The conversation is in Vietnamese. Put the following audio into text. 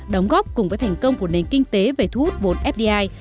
đóng góp cùng với thành công của nền kinh tế về thu hút vốn fdi